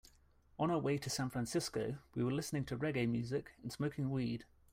On our way to San Francisco, we were listening to reggae music and smoking weed.